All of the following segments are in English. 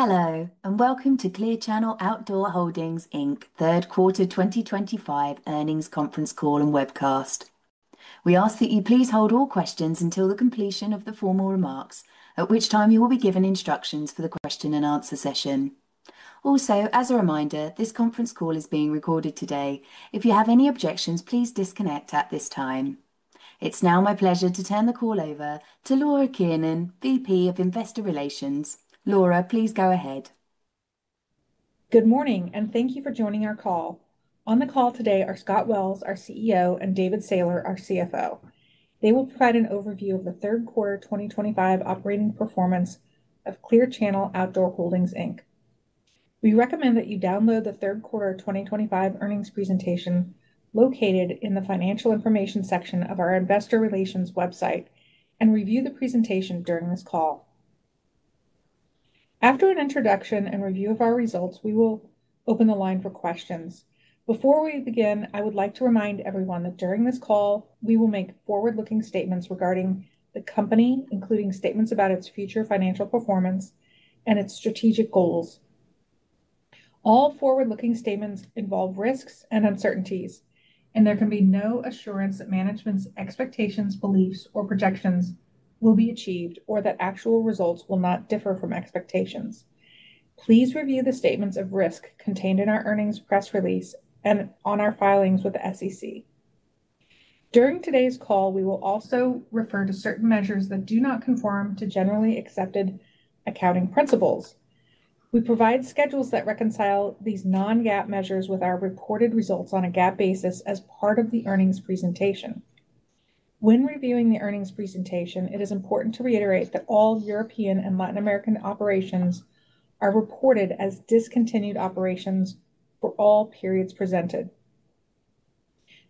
Hello, and welcome to Clear Channel Outdoor Holdings, Third Quarter 2025 Earnings Conference Call and Webcast. We ask that you please hold all questions until the completion of the formal remarks, at which time you will be given instructions for the question-and-answer session. Also, as a reminder, this conference call is being recorded today. If you have any objections, please disconnect at this time. It's now my pleasure to turn the call over to Laura Kiernan, Vice President of Investor Relations. Laura, please go ahead. Good morning, and thank you for joining our call. On the call today are Scott Wells, our CEO, and David Sailor, our CFO. They will provide an overview of the third quarter 2025 operating performance of Clear Channel Outdoor Holdings. We recommend that you download the third quarter 2025 earnings presentation located in the financial information section of our Investor Relations website and review the presentation during this call. After an introduction and review of our results, we will open the line for questions. Before we begin, I would like to remind everyone that during this call, we will make forward-looking statements regarding the company, including statements about its future financial performance and its strategic goals. All forward-looking statements involve risks and uncertainties, and there can be no assurance that management's expectations, beliefs, or projections will be achieved or that actual results will not differ from expectations. Please review the statements of risk contained in our earnings press release and on our filings with the SEC. During today's call, we will also refer to certain measures that do not conform to generally accepted accounting principles. We provide schedules that reconcile these non-GAAP measures with our reported results on a GAAP basis as part of the earnings presentation. When reviewing the earnings presentation, it is important to reiterate that all European and Latin American operations are reported as discontinued operations for all periods presented.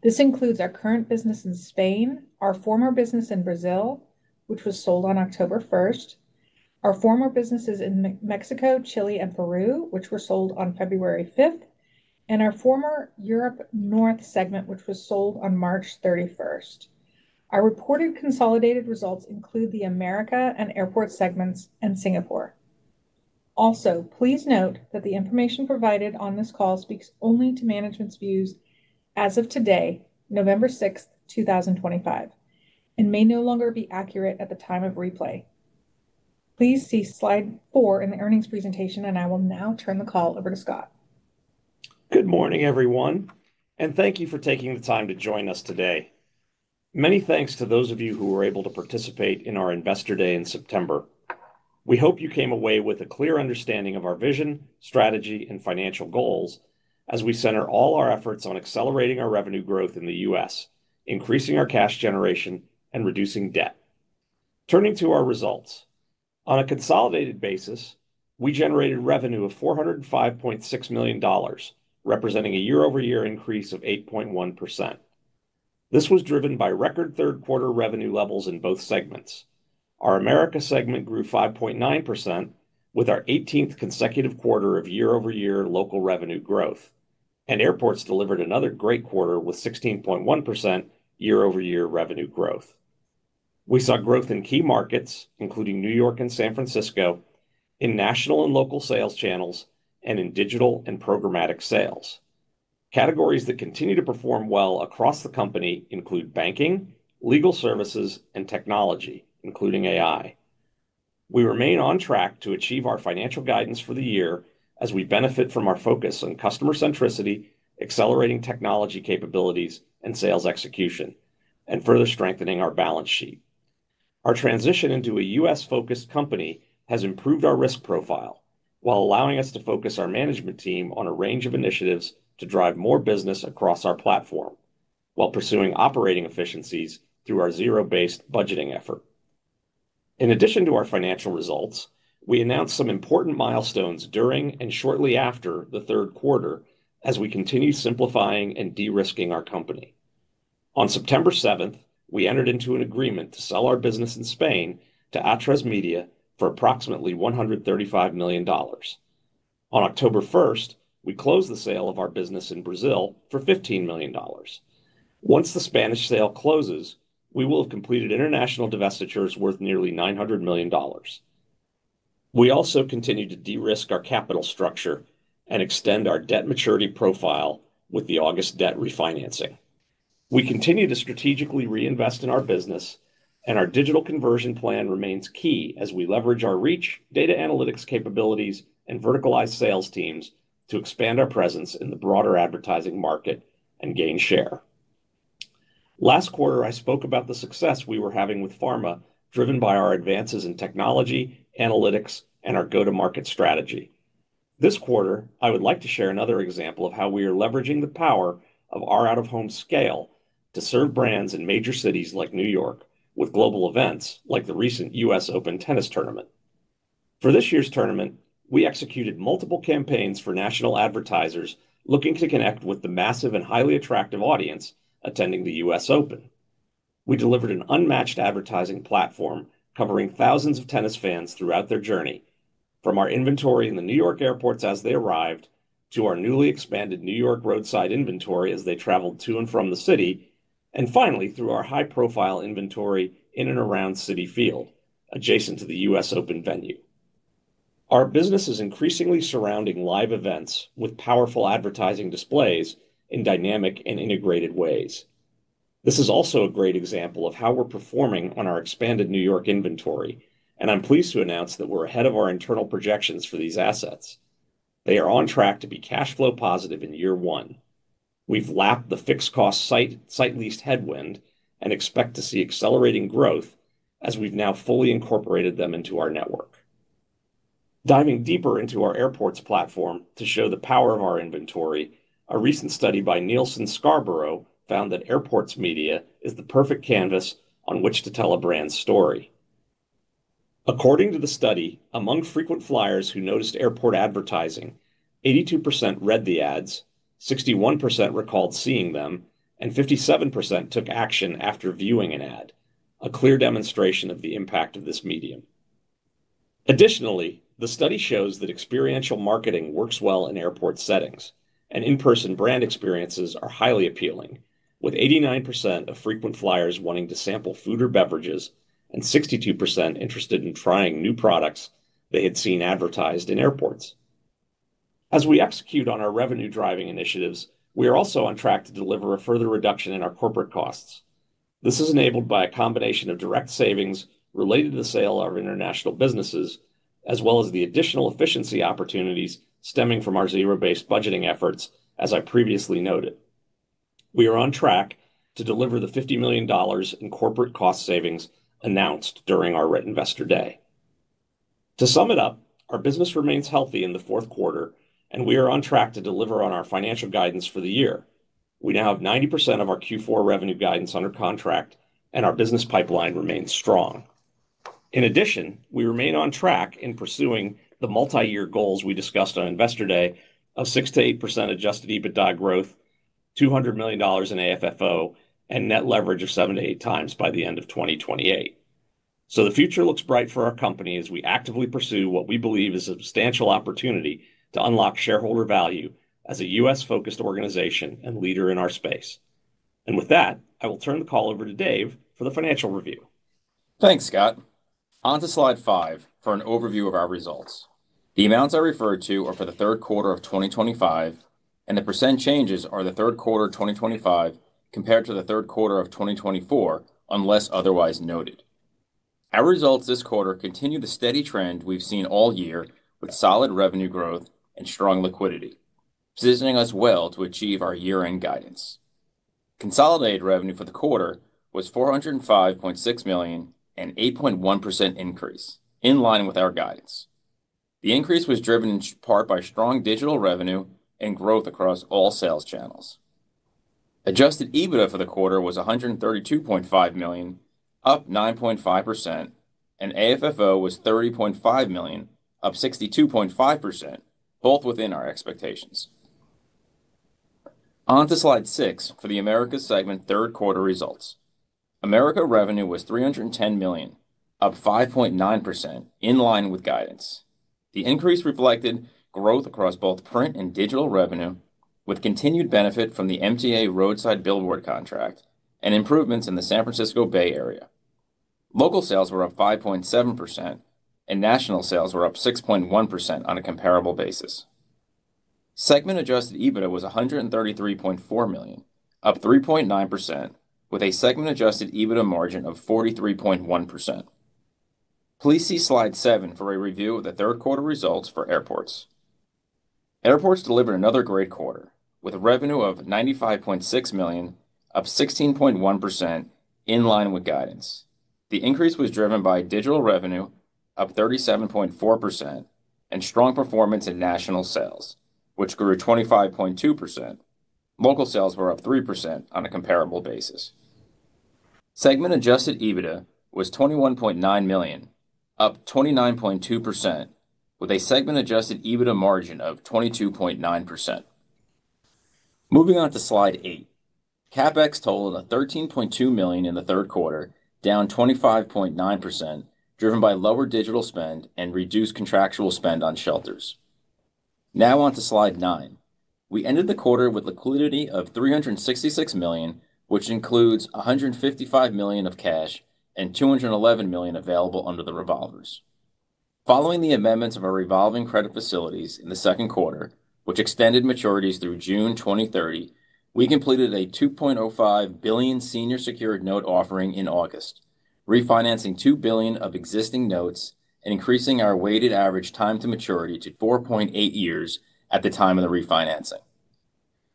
This includes our current business in Spain, our former business in Brazil, which was sold on October 1, our former businesses in Mexico, Chile, and Peru, which were sold on February 5, and our former Europe North segment, which was sold on March 31. Our reported consolidated results include the America and airport segments and Singapore. Also, please note that the information provided on this call speaks only to management's views as of today, November 6, 2025, and may no longer be accurate at the time of replay. Please see Slide 4 in the earnings presentation, and I will now turn the call over to Scott. Good morning, everyone, and thank you for taking the time to join us today. Many thanks to those of you who were able to participate in our Investor Day in September. We hope you came away with a clear understanding of our vision, strategy, and financial goals as we center all our efforts on accelerating our revenue growth in the U.S., increasing our cash generation, and reducing debt. Turning to our results, on a consolidated basis, we generated revenue of $405.6 million, representing a year-over-year increase of 8.1%. This was driven by record third-quarter revenue levels in both segments. Our America Segment grew 5.9%, with our 18th consecutive quarter of year-over-year local revenue growth, and airports delivered another great quarter with 16.1% year-over-year revenue growth. We saw growth in key markets, including New York and San Francisco, in national and local sales channels, and in digital and programmatic sales. Categories that continue to perform well across the company include banking, legal services, and technology, including AI. We remain on track to achieve our financial guidance for the year as we benefit from our focus on customer centricity, accelerating technology capabilities and sales execution, and further strengthening our balance sheet. Our transition into a U.S.-focused company has improved our risk profile while allowing us to focus our management team on a range of initiatives to drive more business across our platform while pursuing operating efficiencies through our zero-based budgeting effort. In addition to our financial results, we announced some important milestones during and shortly after the third quarter as we continue simplifying and de-risking our company. On September 7, we entered into an agreement to sell our business in Spain to Atresmedia for approximately $135 million. On October 1, we closed the sale of our business in Brazil for $15 million. Once the Spanish sale closes, we will have completed international divestitures worth nearly $900 million. We also continue to de-risk our capital structure and extend our debt maturity profile with the August debt refinancing. We continue to strategically reinvest in our business, and our Digital Conversion Plan remains key as we leverage our reach, data analytics capabilities, and verticalized sales teams to expand our presence in the broader advertising market and gain share. Last quarter, I spoke about the success we were having with Pharma, driven by our advances in technology, analytics, and our go-to-market strategy. This quarter, I would like to share another example of how we are leveraging the power of our out-of-home scale to serve brands in major cities like New York with global events like the recent U.S. Open tennis tournament. For this year's tournament, we executed multiple campaigns for national advertisers looking to connect with the massive and highly attractive audience attending the U.S. Open. We delivered an unmatched advertising platform covering thousands of tennis fans throughout their journey, from our inventory in the New York airports as they arrived to our newly expanded New York roadside inventory as they traveled to and from the city, and finally through our high-profile inventory in and around Citi Field, adjacent to the U.S. Open venue. Our business is increasingly surrounding live events with powerful advertising displays in dynamic and integrated ways. This is also a great example of how we're performing on our expanded New York inventory, and I'm pleased to announce that we're ahead of our internal projections for these assets. They are on track to be cash flow positive in year one. We've lapped the fixed cost site lease headwind and expect to see accelerating growth as we've now fully incorporated them into our network. Diving deeper into our airports platform to show the power of our inventory, a recent study by Nielsen Scarborough found that Airports Media is the perfect canvas on which to tell a brand's story. According to the study, among frequent flyers who noticed airport advertising, 82% read the ads, 61% recalled seeing them, and 57% took action after viewing an ad, a clear demonstration of the impact of this medium. Additionally, the study shows that experiential marketing works well in airport settings, and in-person brand experiences are highly appealing, with 89% of frequent flyers wanting to sample food or beverages and 62% interested in trying new products they had seen advertised in airports. As we execute on our revenue-driving initiatives, we are also on track to deliver a further reduction in our corporate costs. This is enabled by a combination of direct savings related to the sale of international businesses, as well as the additional efficiency opportunities stemming from our zero-based budgeting efforts, as I previously noted. We are on track to deliver the $50 million in corporate cost savings announced during our Investor Day. To sum it up, our business remains healthy in the fourth quarter, and we are on track to deliver on our financial guidance for the year. We now have 90% of our Q4 revenue guidance under contract, and our business pipeline remains strong. In addition, we remain on track in pursuing the multi-year goals we discussed on Investor Day of 6-8% adjusted EBITDA growth, $200 million in AFFO, and net leverage of 7-8x by the end of 2028. The future looks bright for our company as we actively pursue what we believe is a substantial opportunity to unlock shareholder value as a U.S.-focused organization and leader in our space. With that, I will turn the call over to Dave for the financial review. Thanks, Scott. On to Slide 5 for an overview of our results. The amounts I referred to are for the third quarter of 2025, and the percent changes are the third quarter of 2025 compared to the third quarter of 2024, unless otherwise noted. Our results this quarter continue the steady trend we've seen all year with solid revenue growth and strong liquidity, positioning us well to achieve our year-end guidance. Consolidated revenue for the quarter was $405.6 million, an 8.1% increase, in line with our guidance. The increase was driven in part by strong digital revenue and growth across all sales channels. Adjusted EBITDA for the quarter was $132.5 million, up 9.5%, and AFFO was $30.5 million, up 62.5%, both within our expectations. On to Slide 6 for the America Segment third quarter results. America revenue was $310 million, up 5.9%, in line with guidance. The increase reflected growth across both print and digital revenue, with continued benefit from the MTA Roadside Billboard contract and improvements in the San Francisco Bay Area. Local sales were up 5.7%, and national sales were up 6.1% on a comparable basis. Segment-adjusted EBITDA was $133.4 million, up 3.9%, with a segment-adjusted EBITDA margin of 43.1%. Please see Slide 7 for a review of the third quarter results for airports. Airports delivered another great quarter with revenue of $95.6 million, up 16.1%, in line with guidance. The increase was driven by digital revenue, up 37.4%, and strong performance in national sales, which grew 25.2%. Local sales were up 3% on a comparable basis. Segment-adjusted EBITDA was $21.9 million, up 29.2%, with a segment-adjusted EBITDA margin of 22.9%. Moving on to Slide 8, CapEx totaled $13.2 million in the third quarter, down 25.9%, driven by lower digital spend and reduced contractual spend on shelters. Now on to Slide 9. We ended the quarter with liquidity of $366 million, which includes $155 million of cash and $211 million available under the revolvers. Following the amendments of our revolving credit facilities in the second quarter, which extended maturities through June 2030, we completed a $2.05 billion senior secured note offering in August, refinancing $2 billion of existing notes and increasing our weighted average time to maturity to 4.8 years at the time of the refinancing.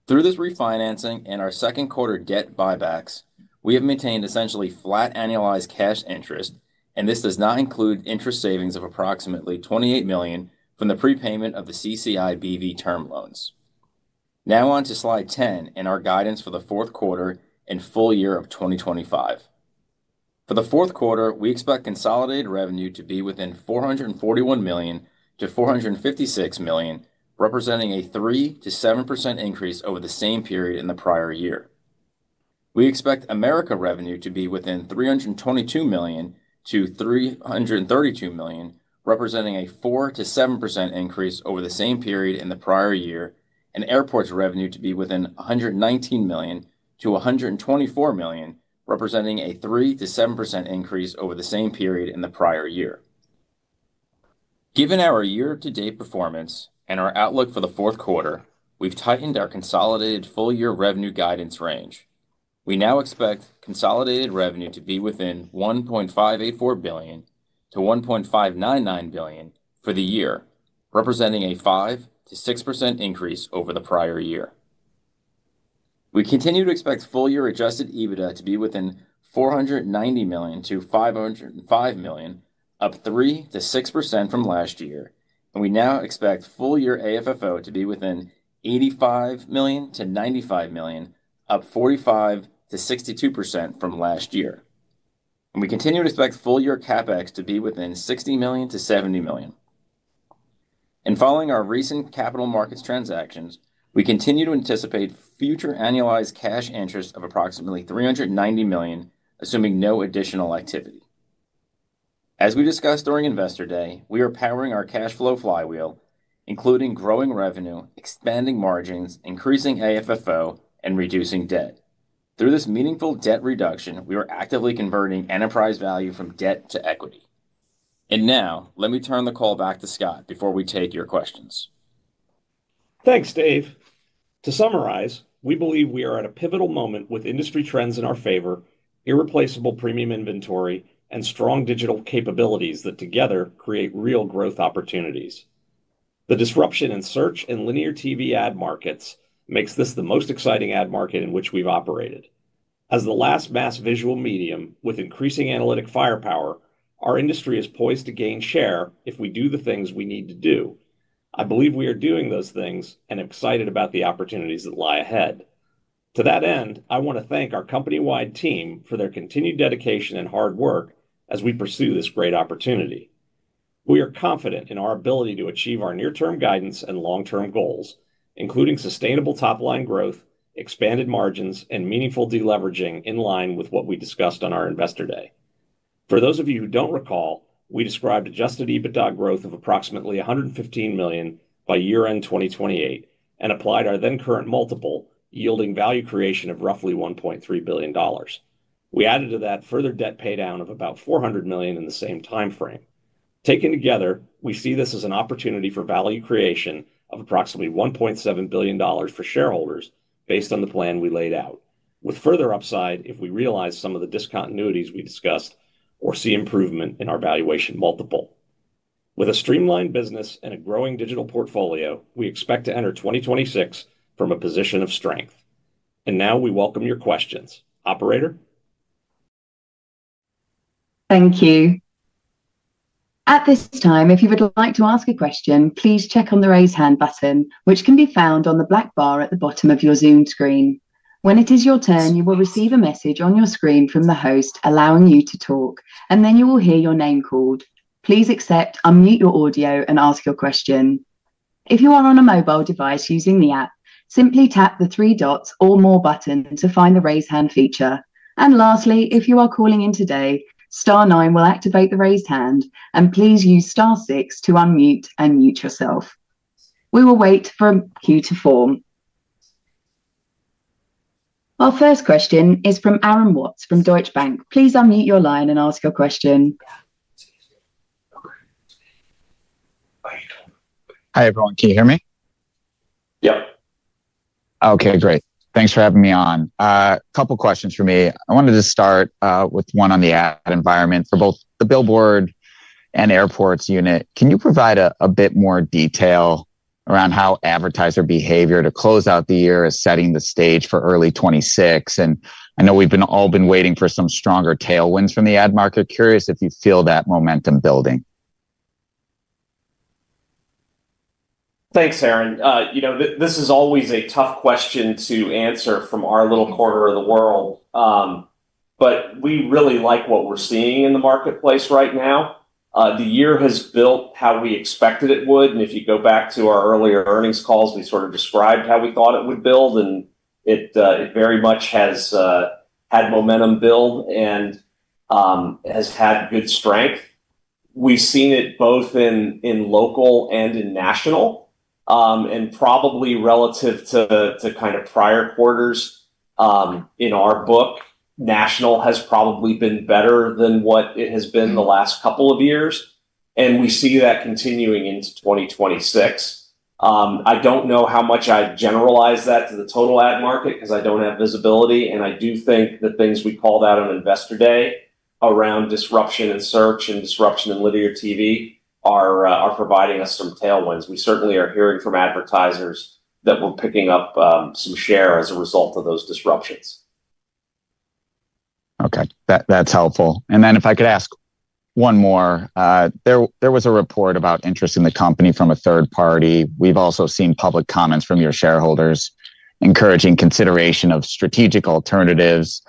Through this refinancing and our second quarter debt buybacks, we have maintained essentially flat annualized cash interest, and this does not include interest savings of approximately $28 million from the prepayment of the CCI B.V. term loans. Now on to Slide 10 and our guidance for the fourth quarter and full year of 2025. For the fourth quarter, we expect consolidated revenue to be within $441 million-$456 million, representing a 3%-7% increase over the same period in the prior year. We expect America revenue to be within $322 million-$332 million, representing a 4%-7% increase over the same period in the prior year, and airports revenue to be within $119 million-$124 million, representing a 3%-7% increase over the same period in the prior year. Given our year-to-date performance and our outlook for the fourth quarter, we've tightened our consolidated full-year revenue guidance range. We now expect consolidated revenue to be within $1.584 billion-$1.599 billion for the year, representing a 5%-6% increase over the prior year. We continue to expect full-year adjusted EBITDA to be within $490 million-$505 million, up 3%-6% from last year, and we now expect full-year AFFO to be within $85 million-$95 million, up 45%-62% from last year. We continue to expect full-year CapEx to be within $60 million-$70 million. Following our recent capital markets transactions, we continue to anticipate future annualized cash interest of approximately $390 million, assuming no additional activity. As we discussed during Investor Day, we are powering our cash flow flywheel, including growing revenue, expanding margins, increasing AFFO, and reducing debt. Through this meaningful debt reduction, we are actively converting enterprise value from debt to equity. Now, let me turn the call back to Scott before we take your questions. Thanks, Dave. To summarize, we believe we are at a pivotal moment with industry trends in our favor, irreplaceable premium inventory, and strong digital capabilities that together create real growth opportunities. The disruption in search and linear TV ad markets makes this the most exciting ad market in which we've operated. As the last mass visual medium with increasing analytic firepower, our industry is poised to gain share if we do the things we need to do. I believe we are doing those things and excited about the opportunities that lie ahead. To that end, I want to thank our company-wide team for their continued dedication and hard work as we pursue this great opportunity. We are confident in our ability to achieve our near-term guidance and long-term goals, including sustainable top-line growth, expanded margins, and meaningful deleveraging in line with what we discussed on our Investor Day. For those of you who don't recall, we described adjusted EBITDA growth of approximately $115 million by year-end 2028 and applied our then-current multiple, yielding value creation of roughly $1.3 billion. We added to that further debt paydown of about $400 million in the same timeframe. Taken together, we see this as an opportunity for value creation of approximately $1.7 billion for shareholders based on the plan we laid out, with further upside if we realize some of the discontinuities we discussed or see improvement in our valuation multiple. With a streamlined business and a growing digital portfolio, we expect to enter 2026 from a position of strength. We welcome your questions. Operator? Thank you. At this time, if you would like to ask a question, please check on the raise hand button, which can be found on the black bar at the bottom of your Zoom screen. When it is your turn, you will receive a message on your screen from the host allowing you to talk, and then you will hear your name called. Please accept, unmute your audio, and ask your question. If you are on a mobile device using the app, simply tap the three dots or more button to find the raise hand feature. Lastly, if you are calling in today, Star nine will activate the raised hand, and please use Star six to unmute and mute yourself. We will wait for a queue to form. Our first question is from Aaron Watts from Deutsche Bank. Please unmute your line and ask your question. Hi, everyone. Can you hear me? Yep. Okay, great. Thanks for having me on. A couple of questions for me. I wanted to start with one on the ad environment for both the billboard and airports unit. Can you provide a bit more detail around how advertiser behavior to close out the year is setting the stage for early 2026? I know we've all been waiting for some stronger tailwinds from the ad market. Curious if you feel that momentum building. Thanks, Aaron. This is always a tough question to answer from our little corner of the world. We really like what we're seeing in the marketplace right now. The year has built how we expected it would. If you go back to our earlier earnings calls, we sort of described how we thought it would build, and it very much has had momentum build and has had good strength. We've seen it both in local and in national. Probably relative to kind of prior quarters, in our book, national has probably been better than what it has been the last couple of years. We see that continuing into 2026. I don't know how much I'd generalize that to the total ad market because I don't have visibility. I do think the things we called out on Investor Day around disruption in search and disruption in linear TV are providing us some tailwinds. We certainly are hearing from advertisers that we're picking up some share as a result of those disruptions. Okay. That's helpful. If I could ask one more. There was a report about interest in the company from a third party. We've also seen public comments from your shareholders encouraging consideration of strategic alternatives.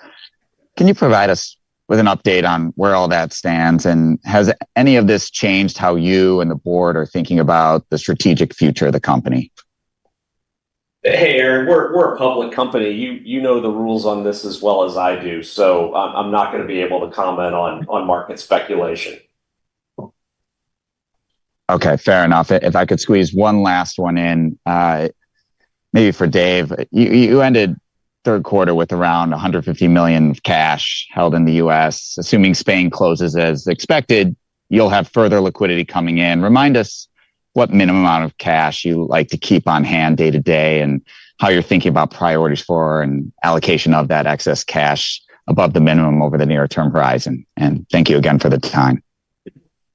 Can you provide us with an update on where all that stands? Has any of this changed how you and the board are thinking about the strategic future of the company? Hey, Aaron, we're a public company. You know the rules on this as well as I do. So I'm not going to be able to comment on market speculation. Okay. Fair enough. If I could squeeze one last one in. Maybe for Dave. You ended third quarter with around $150 million of cash held in the U.S. Assuming Spain closes as expected, you'll have further liquidity coming in. Remind us what minimum amount of cash you like to keep on hand day to day and how you're thinking about priorities for and allocation of that excess cash above the minimum over the near-term horizon. Thank you again for the time.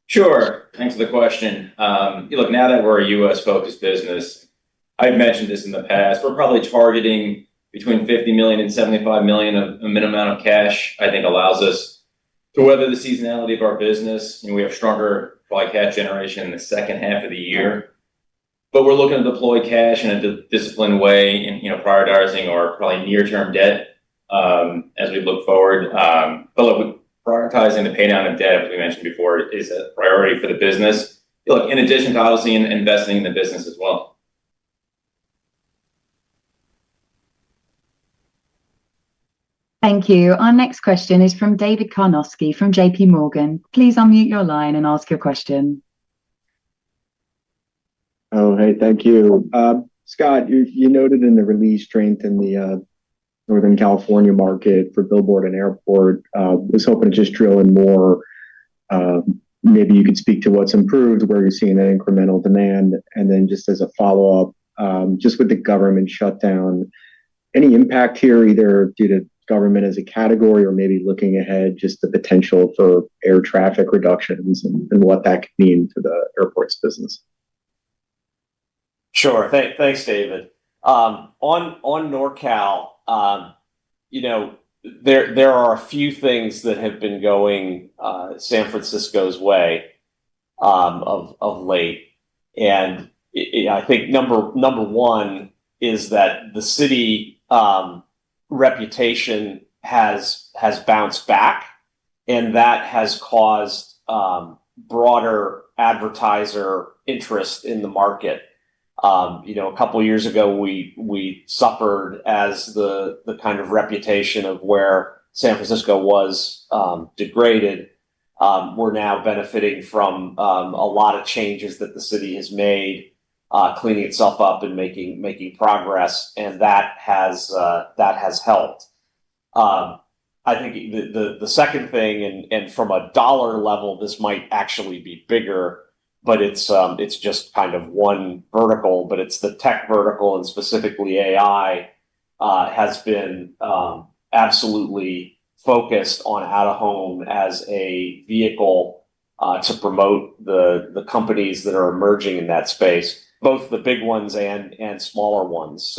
Sure. Thanks for the question. Look, now that we're a U.S.-focused business. I've mentioned this in the past. We're probably targeting between $50 million and $75 million of a minimum amount of cash, I think, allows us to weather the seasonality of our business. We have stronger cash generation in the second half of the year. We are looking to deploy cash in a disciplined way in prioritizing our probably near-term debt. As we look forward. Prioritizing the paydown of debt, as we mentioned before, is a priority for the business. In addition to obviously investing in the business as well. Thank you. Our next question is from David Karnoski from JP Morgan. Please unmute your line and ask your question. Oh, hey, thank you. Scott, you noted in the release strength in the Northern California market for billboard and airport. I was hoping to just drill in more. Maybe you could speak to what's improved, where you're seeing that incremental demand. Just as a follow-up, just with the government shutdown, any impact here, either due to government as a category or maybe looking ahead, just the potential for air traffic reductions and what that could mean for the airports business? Sure. Thanks, David. On Norcal. There are a few things that have been going San Francisco's way of late. I think number one is that the city reputation has bounced back, and that has caused broader advertiser interest in the market. A couple of years ago, we suffered as the kind of reputation of where San Francisco was degraded. We're now benefiting from a lot of changes that the city has made, cleaning itself up and making progress. That has helped. I think the second thing, and from a dollar level, this might actually be bigger, but it's just kind of one vertical, but it's the tech vertical, and specifically AI, has been absolutely focused on out-of-home as a vehicle to promote the companies that are emerging in that space, both the big ones and smaller ones.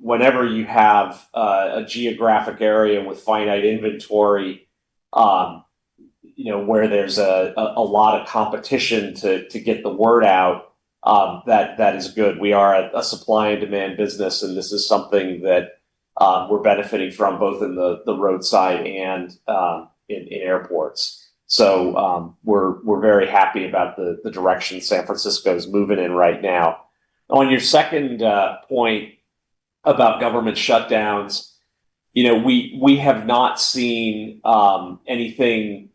Whenever you have a geographic area with finite inventory. Where there is a lot of competition to get the word out. That is good. We are a supply and demand business, and this is something that we are benefiting from both in the roadside and in airports. We are very happy about the direction San Francisco is moving in right now. On your second point about government shutdowns, we have not seen anything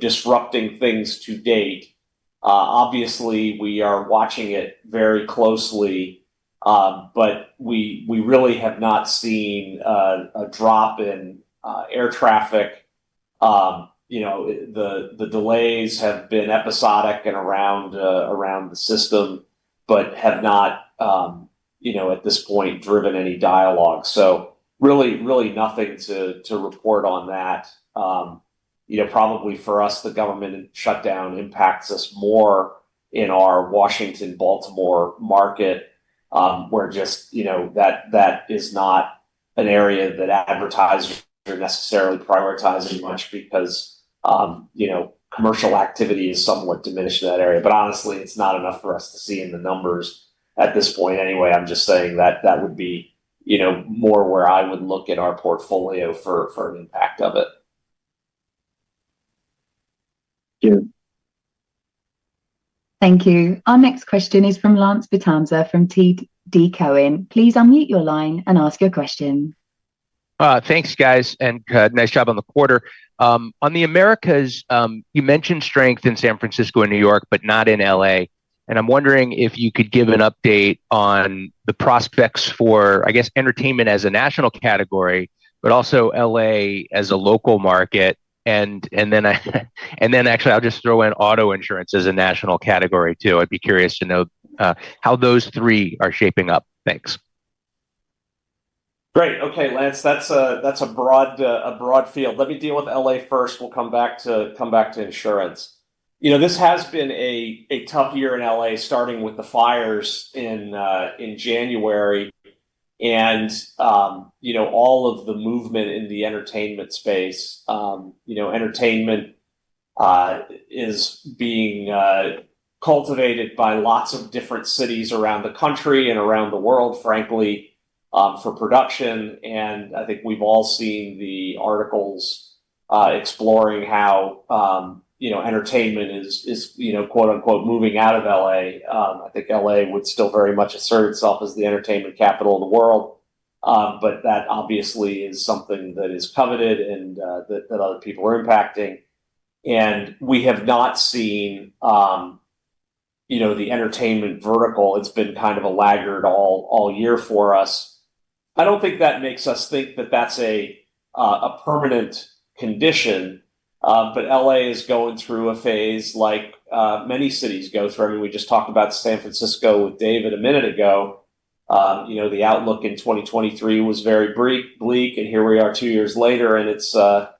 disrupting things to date. Obviously, we are watching it very closely. We really have not seen a drop in air traffic. The delays have been episodic and around the system, but have not at this point driven any dialogue. Really, nothing to report on that. Probably for us, the government shutdown impacts us more in our Washington, Baltimore market, where just that is not an area that advertisers are necessarily prioritizing much because commercial activity is somewhat diminished in that area. Honestly, it's not enough for us to see in the numbers at this point. Anyway, I'm just saying that that would be more where I would look at our portfolio for an impact of it. Thank you. Our next question is from Lance Vitanza from TD Cowen. Please unmute your line and ask your question. Thanks, guys. Nice job on the quarter. On the Americas, you mentioned strength in San Francisco and New York, but not in LA. I'm wondering if you could give an update on the prospects for, I guess, entertainment as a national category, but also LA as a local market. Actually, I'll just throw in auto insurance as a national category too. I'd be curious to know how those three are shaping up. Thanks. Great. Okay, Lance, that's a broad field. Let me deal with LA first. We'll come back to insurance. This has been a tough year in LA, starting with the fires in January. All of the movement in the entertainment space. Entertainment is being cultivated by lots of different cities around the country and around the world, frankly, for production. I think we've all seen the articles exploring how entertainment is, quote-unquote, "moving out of LA." I think LA would still very much assert itself as the entertainment capital of the world. That obviously is something that is coveted and that other people are impacting. We have not seen the entertainment vertical. It's been kind of a laggard all year for us. I don't think that makes us think that that's a permanent condition. LA is going through a phase like many cities go through. I mean, we just talked about San Francisco with David a minute ago. The outlook in 2023 was very bleak, and here we are two years later, and it is a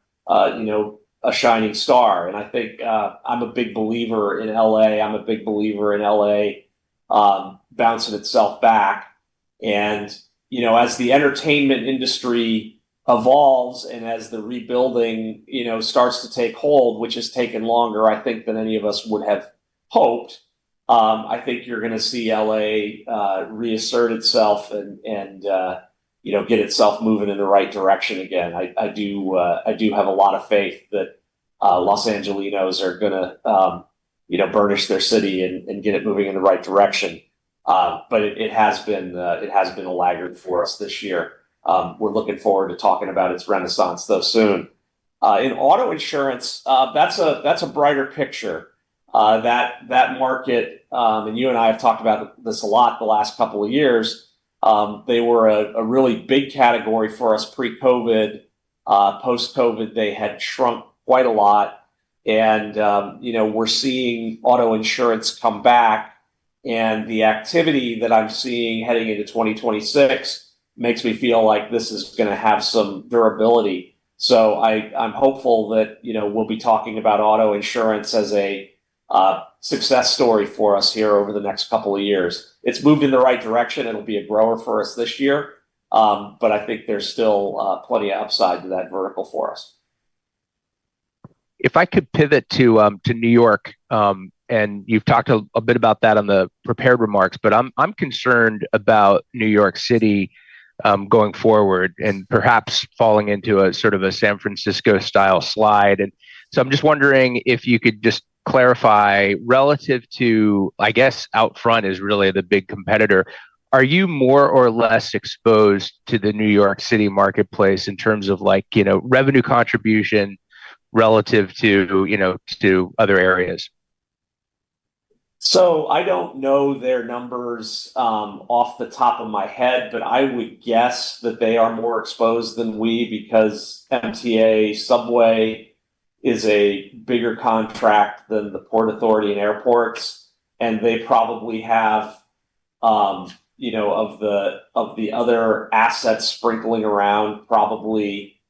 shining star. I think I am a big believer in LA. I am a big believer in LA bouncing itself back. As the entertainment industry evolves and as the rebuilding starts to take hold, which has taken longer, I think, than any of us would have hoped, I think you are going to see LA reassert itself and get itself moving in the right direction again. I do have a lot of faith that Los Angeles are going to burnish their city and get it moving in the right direction. It has been a laggard for us this year. We are looking forward to talking about its renaissance though soon. In auto insurance, that is a brighter picture. That market, and you and I have talked about this a lot the last couple of years, they were a really big category for us pre-COVID. Post-COVID, they had shrunk quite a lot. We are seeing auto insurance come back. The activity that I am seeing heading into 2026 makes me feel like this is going to have some durability. I am hopeful that we will be talking about auto insurance as a success story for us here over the next couple of years. It has moved in the right direction. It will be a grower for us this year. I think there is still plenty of upside to that vertical for us. If I could pivot to New York. You have talked a bit about that on the prepared remarks, but I am concerned about New York City going forward and perhaps falling into a sort of a San Francisco-style slide. I am just wondering if you could just clarify relative to, I guess, Outfront is really the big competitor. Are you more or less exposed to the New York City marketplace in terms of revenue contribution relative to other areas? I do not know their numbers off the top of my head, but I would guess that they are more exposed than we are because MTA Subway is a bigger contract than the Port Authority and airports. They probably have, of the other assets sprinkling around, probably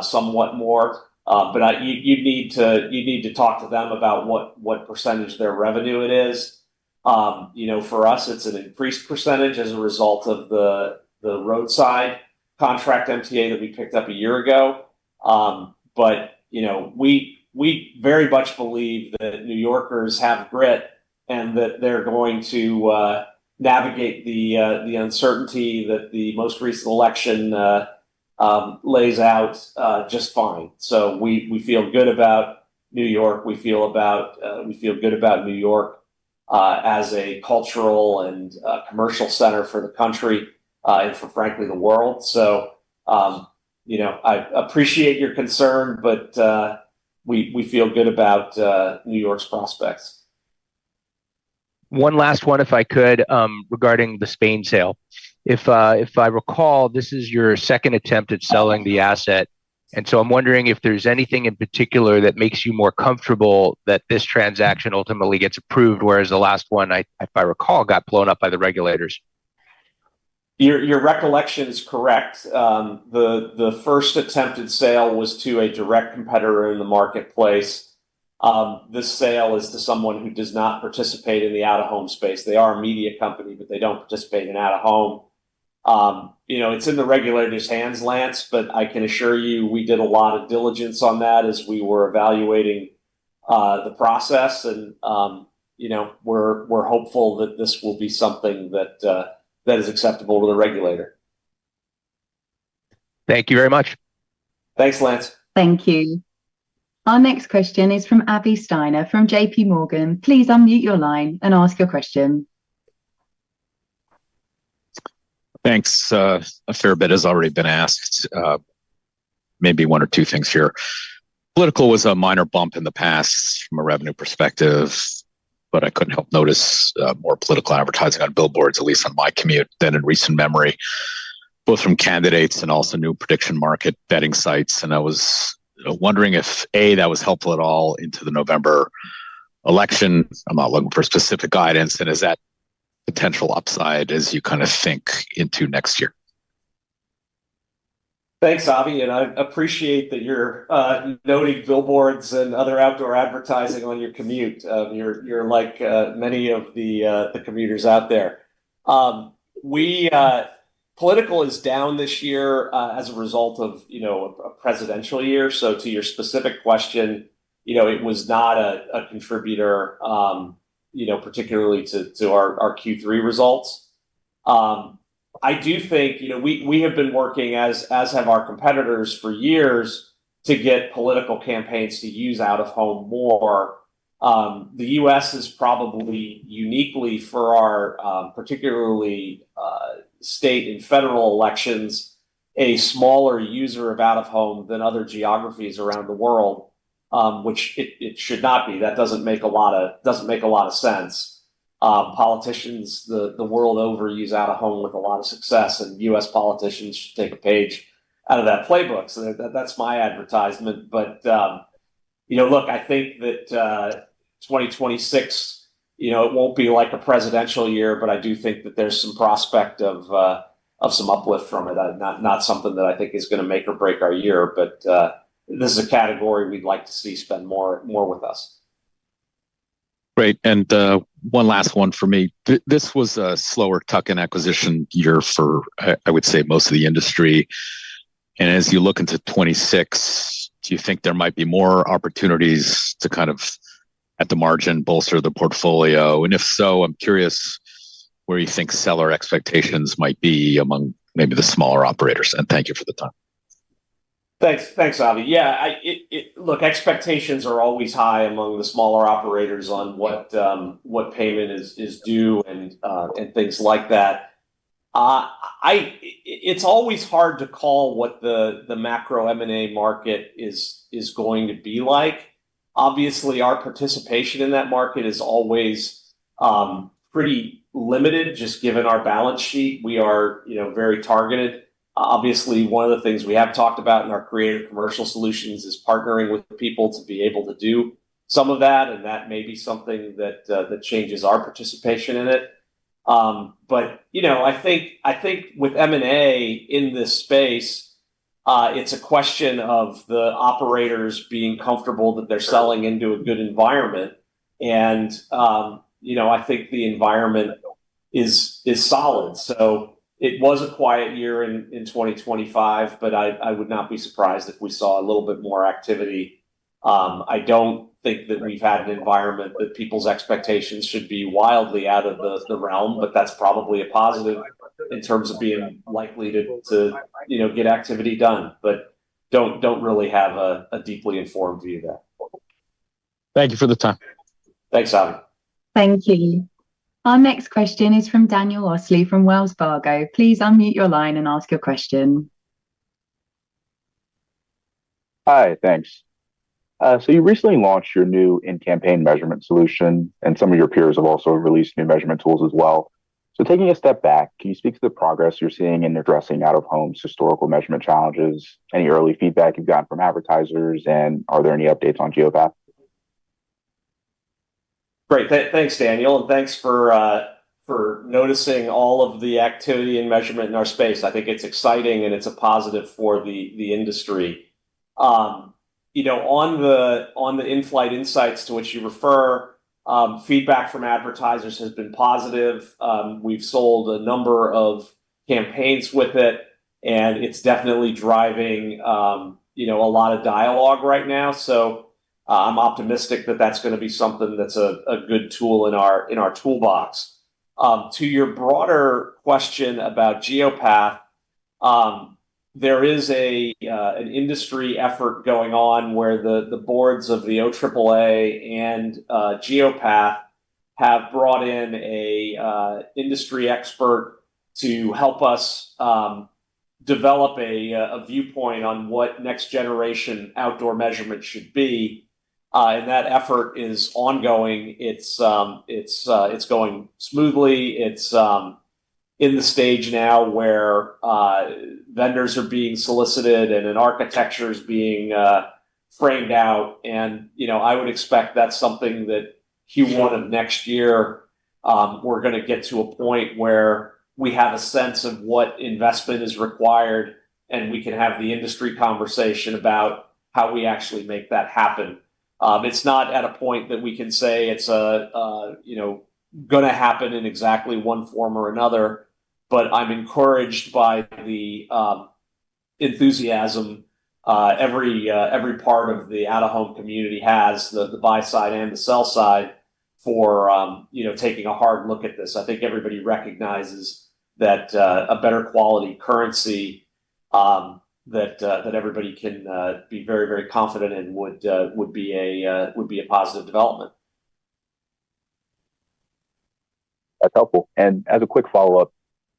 somewhat more. You would need to talk to them about what percentage of their revenue it is. For us, it is an increased percentage as a result of the roadside contract MTA that we picked up a year ago. We very much believe that New Yorkers have grit and that they are going to navigate the uncertainty that the most recent election lays out just fine. We feel good about New York. We feel good about New York as a cultural and commercial center for the country and for, frankly, the world. I appreciate your concern, but we feel good about it. New York's prospects. One last one, if I could, regarding the Spain sale. If I recall, this is your second attempt at selling the asset. I am wondering if there is anything in particular that makes you more comfortable that this transaction ultimately gets approved, whereas the last one, if I recall, got blown up by the regulators. Your recollection is correct. The first attempted sale was to a direct competitor in the marketplace. This sale is to someone who does not participate in the out-of-home space. They are a media company, but they don't participate in out-of-home. It's in the regulators' hands, Lance, but I can assure you we did a lot of diligence on that as we were evaluating the process. We're hopeful that this will be something that is acceptable to the regulator. Thank you very much. Thanks, Lance. Thank you. Our next question is from Abby Steiner from JP Morgan. Please unmute your line and ask your question. Thanks. A fair bit has already been asked. Maybe one or two things here. Political was a minor bump in the past from a revenue perspective, but I could not help notice more political advertising on billboards, at least on my commute, than in recent memory, both from candidates and also new prediction market betting sites. I was wondering if, A, that was helpful at all into the November election. I am not looking for specific guidance. Is that potential upside as you kind of think into next year? Thanks, Abby. I appreciate that you're noting billboards and other outdoor advertising on your commute. You're like many of the commuters out there. Political is down this year as a result of a presidential year. To your specific question, it was not a contributor, particularly to our Q3 results. I do think we have been working, as have our competitors for years, to get political campaigns to use out-of-home more. The U.S. is probably, uniquely for our particularly state and federal elections, a smaller user of out-of-home than other geographies around the world, which it should not be. That doesn't make a lot of sense. Politicians the world over use out-of-home with a lot of success, and U.S. politicians should take a page out of that playbook. That's my advertisement. I think that 2026. It won't be like a presidential year, but I do think that there's some prospect of some uplift from it. Not something that I think is going to make or break our year, but this is a category we'd like to see spend more with us. Great. One last one for me. This was a slower tuck-in acquisition year for, I would say, most of the industry. As you look into 2026, do you think there might be more opportunities to kind of, at the margin, bolster the portfolio? If so, I am curious where you think seller expectations might be among maybe the smaller operators. Thank you for the time. Thanks, Abby. Yeah. Look, expectations are always high among the smaller operators on what payment is due and things like that. It's always hard to call what the macro M&A market is going to be like. Obviously, our participation in that market is always pretty limited, just given our balance sheet. We are very targeted. Obviously, one of the things we have talked about in our creative commercial solutions is partnering with people to be able to do some of that, and that may be something that changes our participation in it. I think with M&A in this space, it's a question of the operators being comfortable that they're selling into a good environment. I think the environment is solid. It was a quiet year in 2025, but I would not be surprised if we saw a little bit more activity. I don't think that we've had an environment that people's expectations should be wildly out of the realm, but that's probably a positive in terms of being likely to get activity done, but don't really have a deeply informed view of that. Thank you for the time. Thanks, Abby. Thank you. Our next question is from Daniel Osley from Wells Fargo. Please unmute your line and ask your question. Hi, thanks. You recently launched your new In-Campaign Measurement Solution, and some of your peers have also released new measurement tools as well. Taking a step back, can you speak to the progress you're seeing in addressing out-of-home's historical measurement challenges? Any early feedback you've gotten from advertisers, and are there any updates on Geopath? Great. Thanks, Daniel. Thanks for noticing all of the activity and measurement in our space. I think it's exciting, and it's a positive for the industry. On the In-Flight Insights to which you refer, feedback from advertisers has been positive. We've sold a number of campaigns with it, and it's definitely driving a lot of dialogue right now. I'm optimistic that that's going to be something that's a good tool in our toolbox. To your broader question about Geopath, there is an industry effort going on where the boards of the OAAA and Geopath have brought in an industry expert to help us develop a viewpoint on what next-generation outdoor measurement should be. That effort is ongoing. It's going smoothly. It's in the stage now where vendors are being solicited and an architecture is being framed out. I would expect that's something that Q1 of next year. We're going to get to a point where we have a sense of what investment is required, and we can have the industry conversation about how we actually make that happen. It's not at a point that we can say it's going to happen in exactly one form or another, but I'm encouraged by the enthusiasm every part of the out-of-home community has, the buy side and the sell side, for taking a hard look at this. I think everybody recognizes that a better quality currency that everybody can be very, very confident in would be a positive development. That's helpful. As a quick follow-up,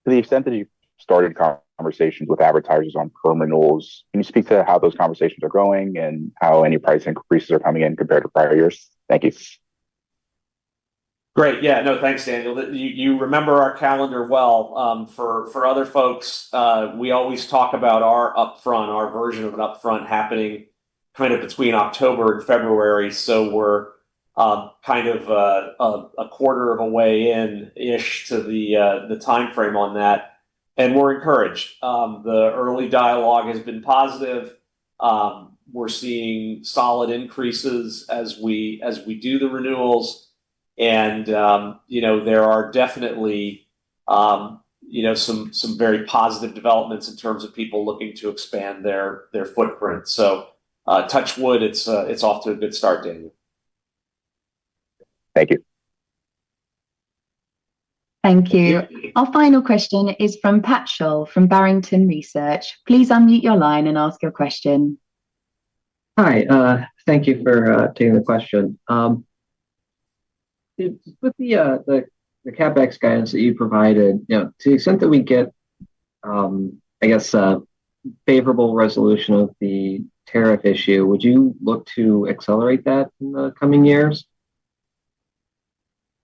to the extent that you've started conversations with advertisers on terminals, can you speak to how those conversations are going and how any price increases are coming in compared to prior years? Thank you. Great. Yeah. No, thanks, Daniel. You remember our calendar well. For other folks, we always talk about our upfront, our version of an upfront happening kind of between October and February. We are kind of a quarter of a way in-ish to the timeframe on that. We are encouraged. The early dialogue has been positive. We are seeing solid increases as we do the renewals. There are definitely some very positive developments in terms of people looking to expand their footprint. Touch wood, it is off to a good start, Daniel. Thank you. Thank you. Our final question is from Pat Sholl from Barrington Research. Please unmute your line and ask your question. Hi. Thank you for taking the question. With the CapEx guidance that you provided, to the extent that we get, I guess, a favorable resolution of the tariff issue, would you look to accelerate that in the coming years?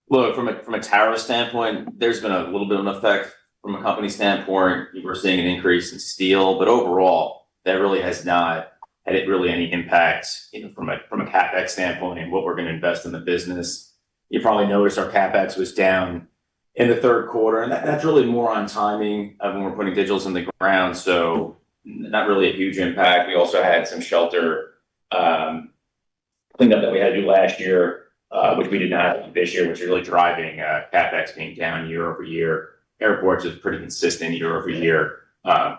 Look, from a tariff standpoint, there's been a little bit of an effect. From a company standpoint, we're seeing an increase in steel, but overall, that really has not had really any impact from a CapEx standpoint and what we're going to invest in the business. You probably noticed our CapEx was down in the third quarter. That's really more on timing of when we're putting digits in the ground. Not really a huge impact. We also had some shelter cleanup that we had to do last year, which we did not have to do this year, which is really driving CapEx being down year over year. Airports is pretty consistent year over year,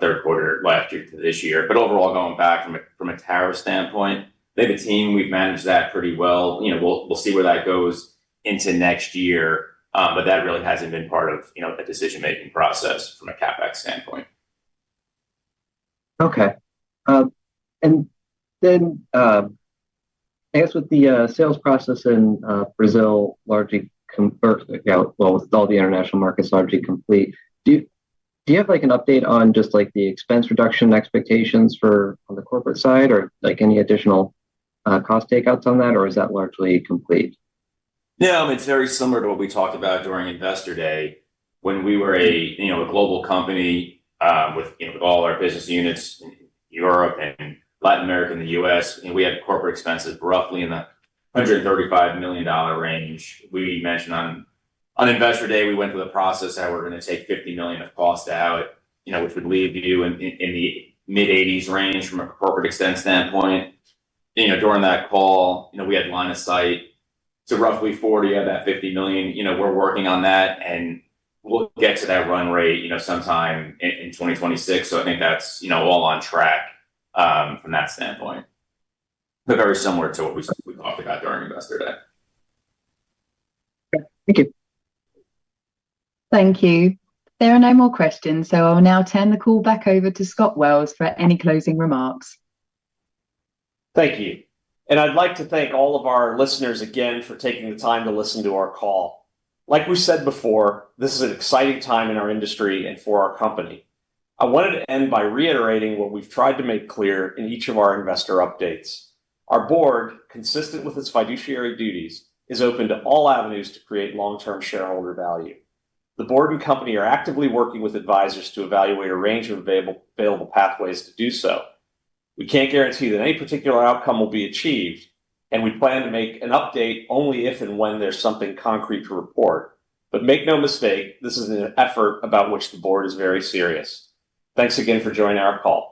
third quarter last year to this year. Overall, going back from a tariff standpoint, they have a team. We've managed that pretty well. We'll see where that goes into next year, but that really hasn't been part of the decision-making process from a CapEx standpoint. Okay. I guess with the sales process in Brazil largely, with all the international markets largely complete, do you have an update on just the expense reduction expectations on the corporate side or any additional cost takeouts on that, or is that largely complete? Yeah. I mean, it's very similar to what we talked about during Investor Day when we were a global company. With all our business units in Europe and Latin America and the U.S., and we had corporate expenses roughly in the $135 million range. We mentioned on Investor Day, we went through the process that we're going to take $50 million of cost out, which would leave you in the mid-$80 million range from a corporate expense standpoint. During that call, we had line of sight to roughly $40 million of that $50 million. We're working on that, and we'll get to that run rate sometime in 2026. I think that's all on track from that standpoint. Very similar to what we talked about during Investor Day. Okay. Thank you. Thank you. There are no more questions, so I will now turn the call back over to Scott Wells for any closing remarks. Thank you. I would like to thank all of our listeners again for taking the time to listen to our call. Like we said before, this is an exciting time in our industry and for our company. I wanted to end by reiterating what we have tried to make clear in each of our investor updates. Our board, consistent with its fiduciary duties, is open to all avenues to create long-term shareholder value. The board and company are actively working with advisors to evaluate a range of available pathways to do so. We cannot guarantee that any particular outcome will be achieved, and we plan to make an update only if and when there is something concrete to report. Make no mistake, this is an effort about which the board is very serious. Thanks again for joining our call.